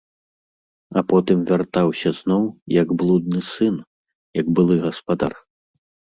А потым вяртаўся зноў, як блудны сын, як былы гаспадар.